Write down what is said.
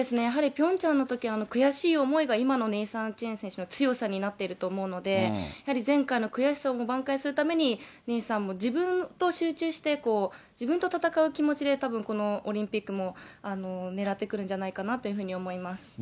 やはりピョンチャンのときの悔しい思いが、今のネイサン・チェン選手の強さになっていると思うので、やはり前回の悔しさを挽回するためにネイサンも自分と集中して、自分と戦う気持ちで、たぶん、このオリンピックもねらってくるんじゃないかなというふうに思います。